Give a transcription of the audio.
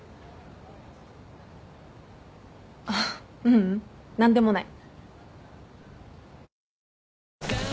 あっううん何でもない。